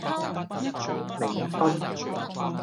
檸賓